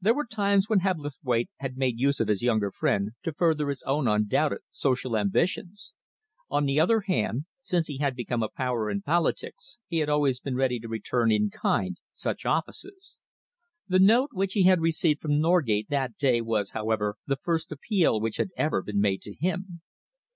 There were times when Hebblethwaite had made use of his younger friend to further his own undoubted social ambitions. On the other hand, since he had become a power in politics, he had always been ready to return in kind such offices. The note which he had received from Norgate that day was, however, the first appeal which had ever been made to him.